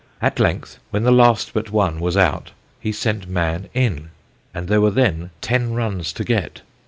At length, when the last but one was out, he sent Mann in, and there were then ten runs to get.